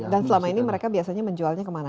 dan selama ini mereka biasanya menjualnya kemana